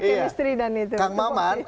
kemisteri dan itu kang maman